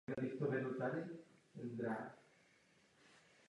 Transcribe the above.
Green původně nahrával písničky na internet pro fanoušky ke stažení.